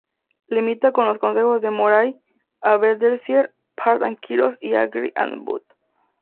Limita con los concejos de Moray, Aberdeenshire, Perth and Kinross, y Argyll and Bute.